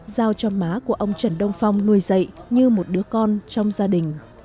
giao cho má của ông trần đông phong nuôi dậy như một đứa con trong gia đình